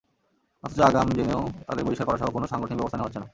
অথচ আগাম জেনেও তাঁদের বহিষ্কার করাসহ কোনো সাংগঠনিক ব্যবস্থা নেওয়া হচ্ছে না।